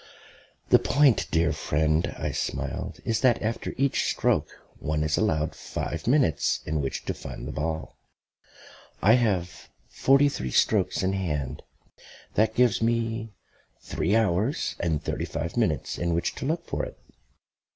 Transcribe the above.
"The point, dear friend," I smiled, "is that after each stroke one is allowed five minutes in which to find the ball. I have forty three strokes in hand; that gives me three hours and thirty five minutes in which to look for it.